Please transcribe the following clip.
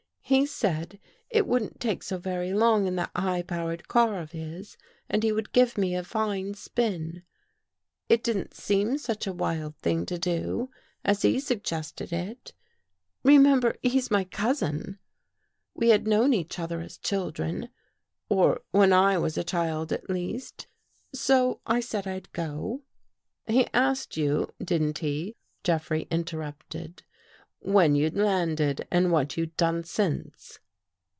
He said it wouldn't take so very long in that high powered car of his, and he could give me a fine spin. It didn't seem such a wild thing to do, as he sug 302 THE WATCHERS AND THE WATCHED gested it. Remember, he's my cousin. We had known each other as children — or when I was a child, at least. So I said I'd go." " He asked you, didn't he," Jeffrey interrupted, "when you'd landed and what you'd done since?"